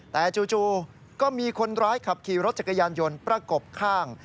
แต่จู่ก็มีคนร้ายขับขี่รถจักรยานยนต์ประกบข้าง